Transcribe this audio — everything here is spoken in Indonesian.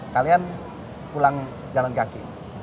kalian pulang jalan kaki